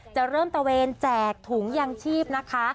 จะเริ่มตะเวนแจกถุงยางชีพนะคะ